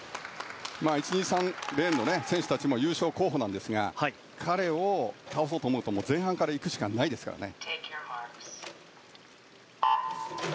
１、２、３レーンの選手たちも優勝候補なんですが彼を倒そうと思うと前半から行くしかないですね。